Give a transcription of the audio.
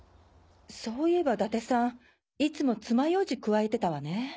そういえば伊達さんいつも爪楊枝くわえてたわね。